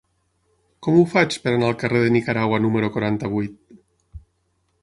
Com ho faig per anar al carrer de Nicaragua número quaranta-vuit?